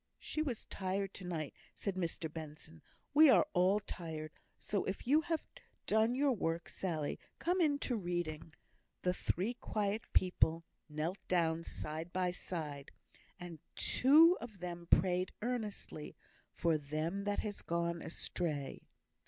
"She was tired to night," said Mr Benson. "We are all tired; so if you have done your work, Sally, come in to reading." The three quiet people knelt down side by side, and two of them prayed earnestly for "them that had gone astray."